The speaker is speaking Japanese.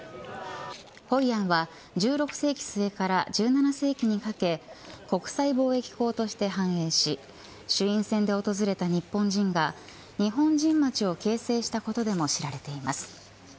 ホイアンは１６世紀末から１７世紀にかけ国際貿易港として繁栄し朱印船で訪れた日本人が日本人町を形成したことでも知られています。